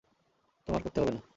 তোমার করতে হবে না।